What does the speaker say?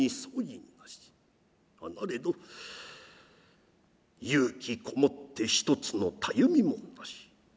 なれど勇気こもって一つのたゆみもなし。